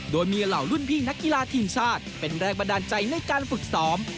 โดยมีเหล่ารุ่นพี่นักกีฬาทีมชาติเป็นแรงบันดาลใจในการฝึกซ้อม